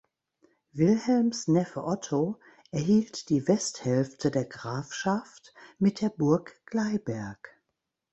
Wilhelms Neffe Otto erhielt die Westhälfte der Grafschaft mit der Burg Gleiberg.